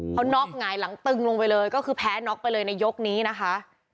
เขาน็อกหงายหลังตึงลงไปเลยก็คือแพ้น็อกไปเลยในยกนี้นะคะ